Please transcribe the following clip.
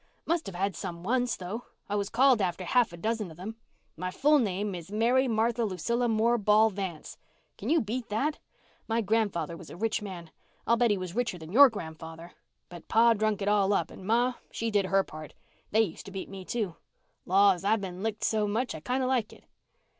Must have had some once, though. I was called after half a dozen of them. My full name is Mary Martha Lucilla Moore Ball Vance. Can you beat that? My grandfather was a rich man. I'll bet he was richer than your grandfather. But pa drunk it all up and ma, she did her part. They used to beat me, too. Laws, I've been licked so much I kind of like it."